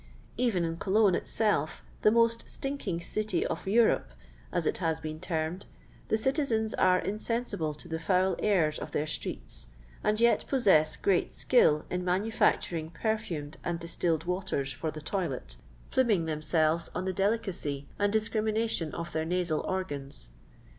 Even in Cologne itself, the " most stinking city of Europe," aa it has been termed, the dtiseni are insensible to the foul airs of their streets, and yet possess great skill in manufacturing perfumed and distilled waters for the toilet, pluming them^ selves on the delicacy and discrimination of their nasal organs.